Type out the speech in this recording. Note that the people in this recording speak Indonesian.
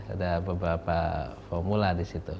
ada beberapa formula di situ